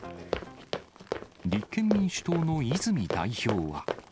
立憲民主党の泉代表は。